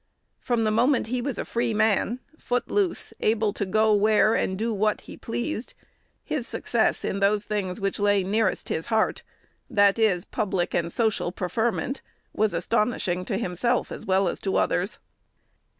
From the moment he was a free man, foot loose, able to go where, and to do what, he pleased, his success in those things which lay nearest his heart that is, public and social preferment was astonishing to himself, as well as to others.